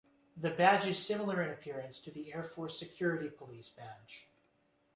The badge is similar in appearance to the Air Force Security Police Badge.